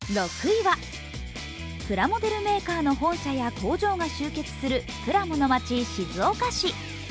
プラモデルメーカーの本社や工場が集結するプラモの街、静岡市。